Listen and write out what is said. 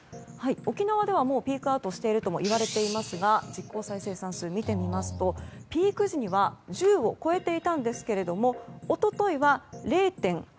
沖縄ではもうピークアウトしているともいわれていますが実効再生産数を見てみますとピーク時は１０を超えていましたが一昨日は０．８２。